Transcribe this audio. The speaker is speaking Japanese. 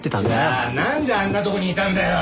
じゃあなんであんなとこにいたんだよ！